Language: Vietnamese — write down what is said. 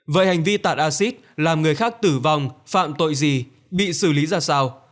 vậy hành vi tàn acid làm người khác tử vong phạm tội gì bị xử lý ra sao